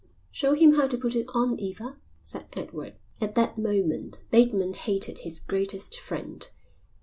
"Show him how to put it on, Eva," said Edward. At that moment Bateman hated his greatest friend.